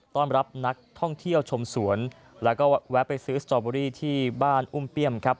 ต้อนรับนักท่องเที่ยวชมสวนแล้วก็แวะไปซื้อสตอเบอรี่ที่บ้านอุ้มเปี้ยมครับ